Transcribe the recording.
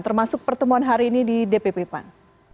termasuk pertemuan hari ini di dpp pan